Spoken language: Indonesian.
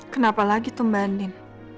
kenapa lagi tuh mbak andin